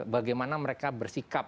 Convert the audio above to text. bagaimana mereka bersikap